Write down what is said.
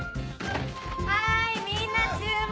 はいみんな注目！